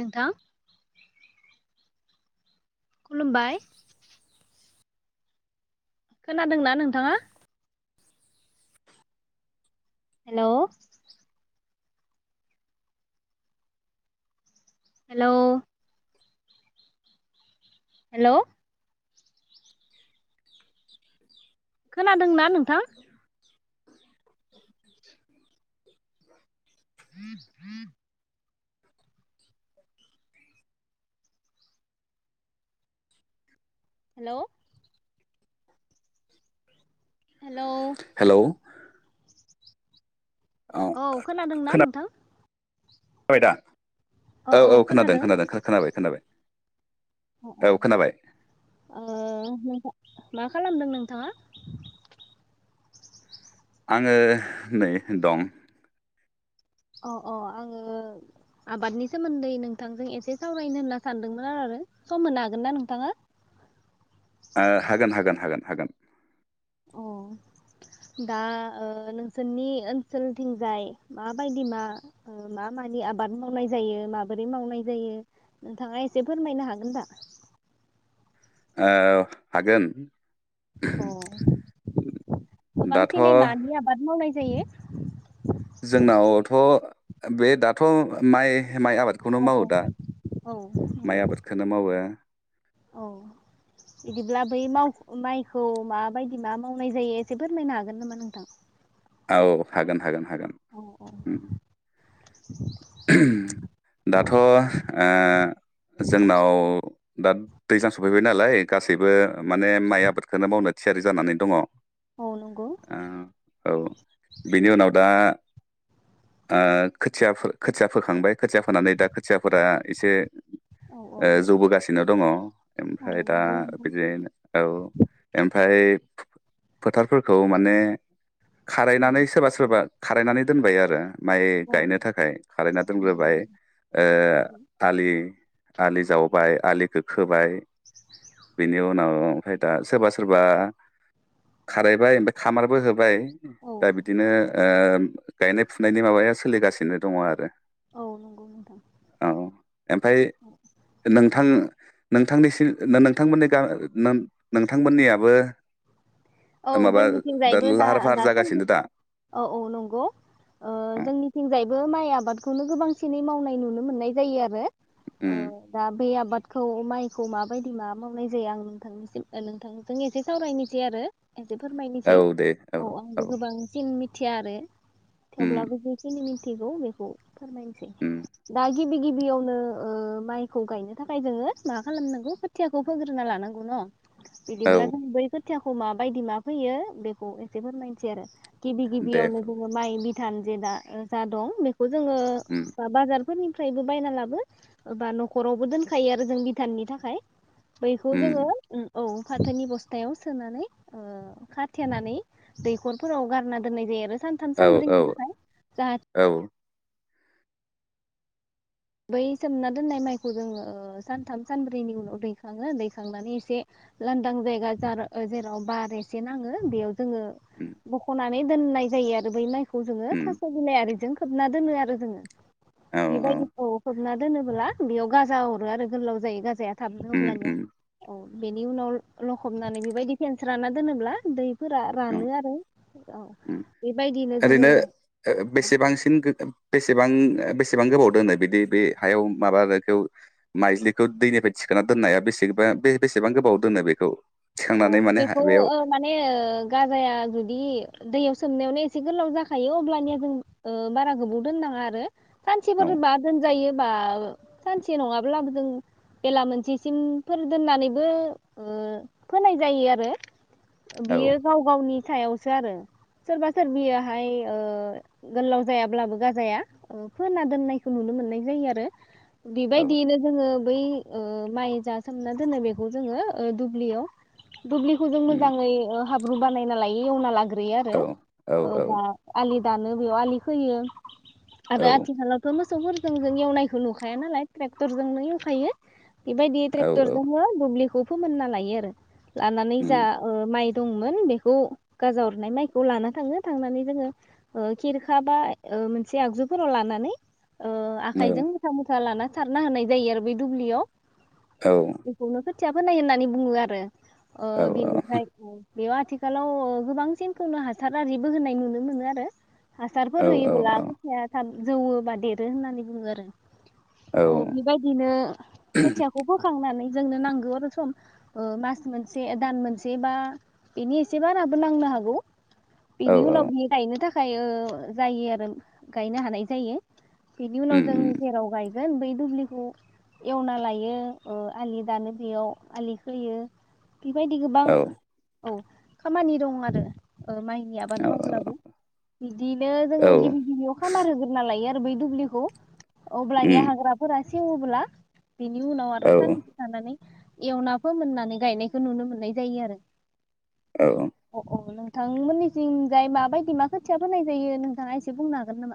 नोंथां खुलुमबाय। खोनादोंना नोंथाङा? हेल' हेल' हेल' खोनादोंना नोंथां? [inaudible] [inaudible] हेल' हेल' हेलौ औ खोनादोंना नोंथां? जाबाय दा औ औ खोनादों खोनादों खोनाबाय खोनाबाय। अ अ औ खोनाबाय ओ मा खालामदों नोंथाङा? आङो नै दं। अ अ आङो आबादनि सोमोन्दै नोंथांजों एसे सावरायनो होनना सानदोंमोन आरो सम होनो हागोन ना नोंथाङा? हागोन हागोन हागोन हागोन। अ दा नोंसोरनि ओनसोलथिंजाय माबायदि मा मा मानि आबाद मावनाय जायो माबोरै मावनाय जायो नोंथाङा एसे फोरमायनो हागोन दा। हागोन अ दाथ' गोबांसिनै मानि आबाद मावनाय जायो? जोंनावथ' बे दाथ' माइ माइ आबादखौनो औ मावो औ दा औ माइ नंगौ आबादखौनो मावो औ बिदिब्ला बै माव माइखौ माबायदि मा मावनाय जायो एसे फोरमायनो हागोन नामा नोंथां? औ हागोन हागोन। हागोन औ दाथ' ओ जोंनाव दा दैज्लां सफैबाय नालाय गासैबो माने माइ आबादखौनो मावनो थियारि जानानै दङ। औ नंगौ। औ बेनि उनाव दा ओ खोथिया खोथिया फोखांबाय खोथिया फोनानै दा खोथियाफोरा एसे औ औ ओ जौबोगासिनो दङ औ ओमफ्राय दा नंगौ नोंथां बिदि औ ओमफ्राय फोथारफोरखौ माने खारायनानै औ सोरबा सोरबा खारायनानै दोनबाय आरो माइ औ गायनो थाखाय खारायना नंगौ दोनग्रोबाय ओ नंगौ आलि आलि जावबाय आलिखौ खोबाय बिनि उनाव ओमफ्राय दा सोरबा सोरबा खारायबाय ओमफ्राय खामारबो होबाय। औ दा बिदिनो ओ गायनाय फुनायनि माबाया सोलिगासिनो दङ आरो। औ नंगौ नोंथां औ ओमफ्राय नोंथां? नोंथांनिसिम नोंथांमोननि गा नोंथांमोननियाबो। माबा दा लार दासानदि औ औ नंगौ ओ अ जोंनि थिंजायबो माइ आबादखौनो गोबांसिनै मावनाय नुनो मोननाय जायो आरो। अ' उम दा बे आबाद खौ माइखौ माबायदि मा मावनाय जायो आं नोंथांनिसिम नोंथांजों एसे सावरायनोसै आरो एसे फोरमायनोसै औ आंबो गोबांसिन मि थियारो उम थेवब्लाबो [unintelligible] मिथिगौ बेखौ फोरमायनोसै उम दाय गिबि गिबियावनो ओ माइखौ गायनो थाखाय जोङो मा खालामनांगौ खोथियाखौ फोग्रोना लानांगौ न। बिदिब्ला औ जों बै खो खोथियाखौ मा बायदि मा फैयो बेखौ एसे फोरमायनोसै आरो। गिबि दे गिबियावनो फोरमाय जोङो माइ बि थानजेदा जा दं बे थ'जोङो उम दा बाजार। फोरनिफ्रायबो बायना लाबो बा न'खरावबो दोनखायो आरो जों भिदाननि थाखाय। बैखौ उम जोङो उम औ फाथोनि बस्थायाव सोनानै ओ खाथेनानै दैखरफोराव गारना दोननाय जायो आरो-' सानथाम औ सानब्रैनि औ थाखाय जाहाथे औ बै सोमना दोननाय माइखौ जोङो सानथाम सानब्रैनि उनाव दैखाङो दैखांनानै एसे लांदां जायगा जार जेराव बार एसे नाङो बेयाव। जोङो उम दख'ना। [unintelligible] दोननाय जायो आरो बै माइ खौ जोङो उम थास बिलाइ आरि जों खोबना दोनो आरो जोङो। औ औ बिबायदि। खोबना दोनोबोला बेयाव गाजा अरो आरो गोलाव जायो गाजाया। थाबनो उम अब्लानिया उम औ। बेनि उनाव लखबनानै बेबायदि फेेनस्राना दोनोब्ला दै। फोर औ रानो आरो औ उम बेबायदिनो जोङो ओरैनो ओ बेसेबांसिन गो- बेसेबां बेसेबां गोबाव दोनो बिदि बे हायाव माबाखौ माइज्लिखौ दैनिफ्राय थिखोना दोननाया बेसेबा बे बेसेबां गोबाव दोनो बेखौ। औ थिखांनानै माने हा- बेखौ बेयाव ओ माने ओ गाजाया जुदि दैयाव सोमनायावनो एसे गोलाव जाखायो अब्लानिया जों ओ बारा गोबाव दोननाङा आरो। औ सानसेफोर बा दोनजायो। बा सानसे नङाब्लाबो जों बेला मोनसेसिमफोर दोननानैबो ओ फोनाय जायो आरो। औ बियो गाव गावनि सायाव। सो आरो सोरबा सोरबियाहाय ओ गोलाव जायाब्लाबो गाजाया फोना दोननायखौ नुनो मोननाय जायो आरो। औ बेबायदियैनो जोङो बै ओ माइ जा सोमना दोनो बेखौ जोङो ओ दुब्लियाव दुब्लिखौ जों उम मोजाङै ओ हाब बानायना लायो एवना‌ लागो ग्रोयो आरो औ औ ओ औ बा आलि। दानो बेयाव आलि खोयो। औ आरो आथिखालाथ मो सौफोरजों जों एवनायखौ नुखाया नालाय ट्रेक्टरजोंनो एवखायो। बेबायदि औ औ ट्रेक्टर जों दुुब्लि खुब फोमोनना लायो आरो। लानानै जा उम ओ माइ दंमोन बेखौ गाजाअरनाय माइखौ लाना थाङो थांनानै जोङो ओ खिरखा बा ओ मोनसे आगजुफोराव लानानै ओ औ आखाइजों मुथा मुथा लाना सारना होनाय जायो आरो बै दुब्लियाव औ बेखौनो खो खोथिया फोनाय होननानै बुङो आरो। ओ औ बिनिफ्राय। बेयाव आथिखालाव गोबां सिनखौनो हासार आरिबो होनाय नुनो मोनो आरो। हासारफोर औ होयोब्ला [unintelligible] जौवौ बा देरो होननानै बुङो आरो। औ बेबायदिनो खोथियाखौ बोखांनानै जोंनो नांगौ रोखोम। ओ मास मोनसे दान मोनसे बा बेनि एसे बाराबो नांनो हागौ। औ बिनि औ उनाव बियो गायनो था खायो जायो आरो गायनो हानाय जायो। बेनि उनाव उम जों उम जेराव गाय गोन बै दुब्लिखौ एवना लायो ओ आलि दानो बेयाव आलि खोयो। बेबायदि गोबां। औ औ खामानि दं आरो। ओ माइनि आबाद औ मावब्लाबो बिदिनो जोङो औ औ गिबि गिबियाव खामार होग्रोना लायो। बै दुबलिखौ। अब्लानि उम हाग्राफोरा। सेवोब्ला। बिनि उनाव आरो सानसे थानानै। एवना फोमोननानै। गायनायखौ नुनो मोननाय जायो आरो। औ अ अ [unintelligible] नोंथांमोननिथिं जाय माबायदि मा खोथिया फोनाय जायो नोंथाङा एसे बुंनो हागोन नामा?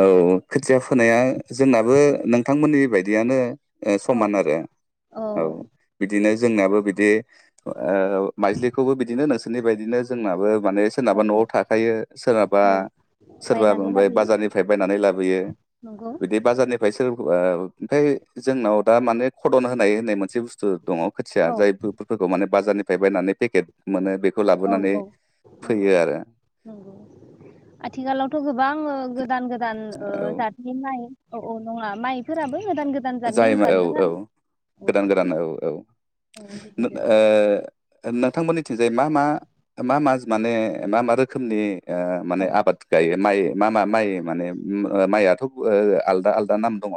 औ खोथिया फोनाया जोंनाबो नोंथांमोननि बायदियानो। ओ औ समान आरो औ बिदिनो जोंनियाबो बि। बेे। ओ माइज्लिखौबो बिदिनो नोंसोर। नि बायदिनो जोंनाबो। माने सोरनाबा औ न'आव औ थाखायो सोरहाबा। औ सोरबा बायनानै फ्राय लाबोयो बाजारनिफ्राय बायनानै लाबोयो नंगौ बिदि बाजारनिफ्राय। ओमफ्राय जोंनाव दा माने खदन होनाय होननाय मोनसे बुस्थु। दङ खोथिया औ जायफोरखौ माने बाजारनि। फाय बायनानै पेकेट। मोनो बेखौ औ लाबोनानै औ नंगौ फैयो आरो। थ' गोबां गोदान गो दान ओ औ जाथनि माइ औ औ नङा माइ फोराबो जाय औ औ गोदान गोदान औ औ ओ औ बिदिनो नोंथांमोननिथिंजायै मा मा मा मा माने मा मा रोखोमनि ओ माने आबाद गायो माइ मा मा माइ माने ओ ओ माइआथ' आलदा आलदा नाम दङ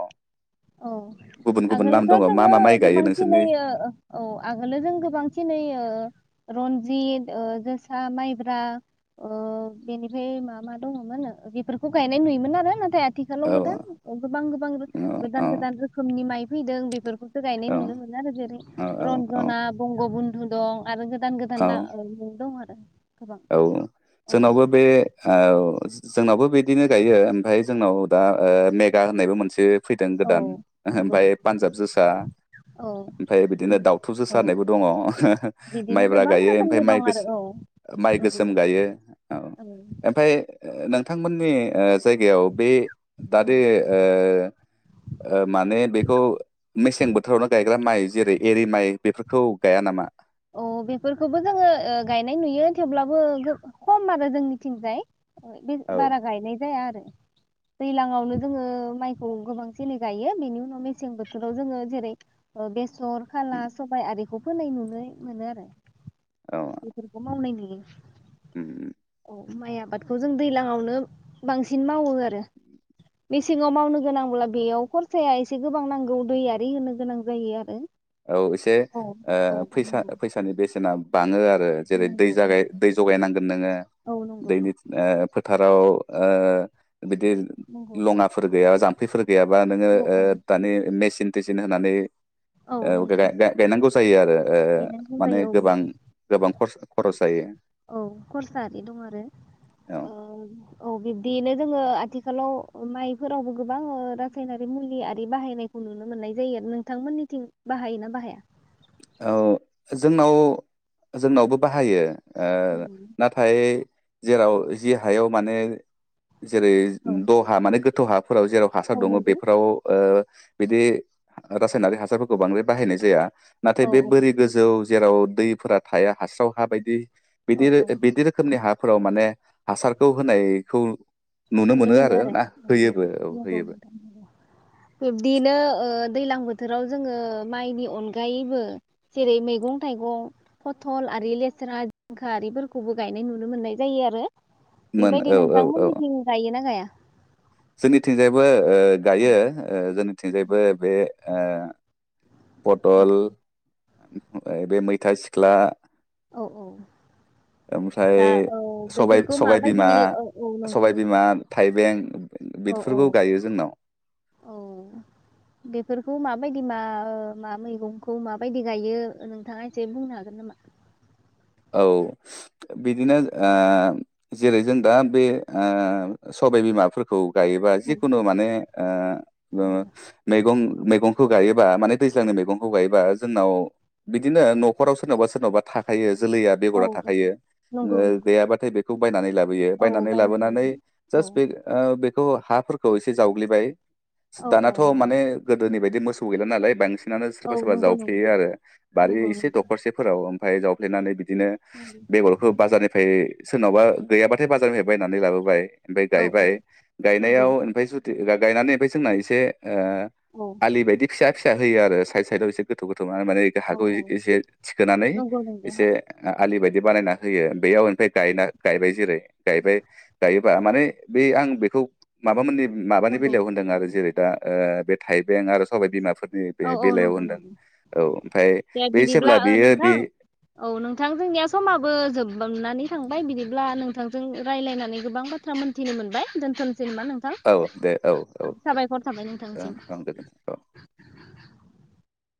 औ गुबुन गुबुन नाम आगोलोथ' दङ मा जोङो मा माइ गायो नोंसोरनि गोबांसिनोयै औ आगोलोव जों गोबां सिनाययो रनजित ओ जोसा माइब्रा ओ बेनिफ्राय मा मा दङमोन बेफोरखौ गायनाय नुयोमोन आरो नाथाय आ थिखाल औ गोदां गोबां गोबां रो औ गोदान गोदान रोखोमनि नि माइ फैदों बेफोरखौ गायनाय औ नुनो मोनो आरो जेरै औ औ रन्जना बंग [unintelligible] नु दं आरो गोदान गोदान औ दं [unintelligible] औ औ सोनावबो बे औ जोंनावबो बिदिनो गायो ओमफाय जोंनाव दा ओ मेगा होननायबो मोनसे फैदों औ गोदान नंगौ ओमफफ्राय पान्जाब जोसा औ ओमफ्राय बिदिनो दावथु जोसा औ होननायबो दङ बिदिनो माइब्रा गोबां गायो ओमफ्राय रोखोमनि माइ दं आरो गोसो औ माइ नंगौ गोसोम गायो औ ओमफाय नोंथांमोननि ओ जायगायाव बे दा औ दे ओ माने बेखौ मेसें बोथोरावनो गाय गायग्रा माइ जेरै एरि माइ बेफोरखौ गाया नामा? अ बेफोरखौबो जोङो ओ गायनाय नुयो थेवब्लाबो गो खम आरो जोंनिथिंजाय ओ बे औ बारा उम गायनाय जाया आरो दैलांवनो जोङो माइखौ गोबां जेनि गायो बेनि उनाव मेसें बोथोराव जोङो जेरै ओ बे सर खानला सबाय आरि बेखौ फोनाय नुनै मोनो आरो औ बेफोरखौ मावनाय नुयो उम उम उम माइ आबादखौ जों दैलांवानो बांसिन मावो आरो मेसेङाव मावनो गोनांब्ला बेयाव खरसाया एसे गोबां नांगौ दै आरि होनो गोनां जायो आरो औ एसे औ औ ओ फैसा नंगौ फैसानि बेसेना बाङो आरो बो जेरै दै नंगौ जागाय दै जगायनांगोन नोङो औ नंगौ दैनि ओ फोथाराव ओ बिदि नंगौ लङाफोर गैयाबा जाम्फैफोर गैयाबा नोङो ओ औ दानि मेसिन थेसिन होनानै औ ओ नंगौ गाय गायनांगौ जायो आरो ओ गायनांगौ माने जायो औ गोबां गोबां खरसा औ खरसा आरि दं आरो औ ओ औ बिब्दियैनो जोङो आथिखालाव माइफोरावबो गोबां रासायनारि मुलि आरि बाहायनायखौ नुनो मोननाय जायो नोंथांमोननिथिं बाहायोना बाहाया? औ जोंनाव जोंनावबो बाहायो औ ओ नाथाय जेराव जि हायाव माने जेरै दहा माने गो थहाब फोराव जेराव हासार औ दङ नंगौ बेफोराव बिदि रासायनारि हासारफोरखौ बांद्राय बाहायनाय जाया नाथाय औ बे औ बोरि गोजौ जेराव दैफोरा थाया हास्राव हा बायदि औ बिदि औ बिदि रोखोमनि हा फोराव माने हासारखौ होनायखौ नुनो मोनो आरो ना होयोबो नंगौ औ होयोबो नोंथां नंगौ बिब्दिनो दैज्लां बोथोराव जोङो माइनि अनगायैबो जेरै मैगं थाइगं फथल आरि लेस्रा जिंखा आरिफोरखौबो गायनाय नुनो मोननाय जायो आरो। मोन बेबायदि औ औ औ नोंथांमोननिथिं गायोना गाया जोंनिथिंजायबो ओ गायो ओ जोन औ थिंजायबो बे ओ औ पटल ओम बे मैथा सिख्ला औ औ ओमफ्राय दा औ सबाय बेफोरखौ सबाय माबायदि बिमा औ औ नंगौ नंगौ सबायबिमा थाइबें औ औ बिदिफोरखौ गायो जोंनाव औ बेफोरखौ माबायदि मा मा मैगंखौ माबायदि गायो नोंथाङा एसे बुंनो हागोन नामा औ बिदिनो ओ जेरै जों दा बे ओ सबाय बिमाफोरखौ गायोबा औ जिखुनु माने ओ ओ मैगं मैगंखौ गायोबा माने दैज्लांनि मैगंखौ गायोबा जोंनाव बिदिनो न'खराव सोरनावबा सोरनावबा थाखायो। जोलैया औ बेगरा औ थाखायो नंगौ ओ नंगौ गैयाबाथाय बेखौ बायनानै लाबोयो औ बायनानै लाबोनानै लाबोयो जास बे औ ओ बे हौ हाफोरखौ एसे जावग्लिबाय। औ औ दानाथ' नंगौ माने गोदोनि बायदि दि मोसौ गैला नालाय बांस नानो औ सोरबा सोरबा नंगौ नंगौ जावफ्लेयो आरो बारि नंगौ एसे नंगौ दखरसेफोराव ओं फाय जाव फ्लेनानै बिदिनो नंगौ बेगरखौ बाजारनिफ्राय सोरनावबा गैयाबाथाय बाजारनिफाय बायनानै लाबोबाय। ओमफाय औ औ गायबाय नंगौ गायनायाव ओनफाय जुदि गायनानै ओमफाय जोंना एसे ओ औ आलि बायदि फिसा फिसा होयो आरो साइद साइदआव एसे गोथौ गोथौ। नङा माने इखो औ हाखौ औ एसे थिखोनानै नंगौ नंगौ हा बे आलि बायदि बानायना होयो बेयाव ओमफाय गायना गायबाय जेरै गायबाय गायो बा माने बे आं बेखौ माबा मोननि माबानि नंगौ बेलायाव होनदों आरो जेरै दा ओ बे थाइबें आरो सबाइ बिमा फोरनि औ बे औ बेलायाव नंगौ होनदों नंगौ औ ओमफाय दे बे बिदिब्ला जेब्ला ओ बेयो बे नोंथां औ नोंथां जोंनिया समाबो जोबबांनानै थांबाय बिदिब्ला नोंथांजों रायलायनानै गोबां बाथ्रा मोन्थिनो मोनबाय दोनथनो' औ दे औ औ ओ साबायखर थाबाय नोंथांसिम ओं [unintelligible]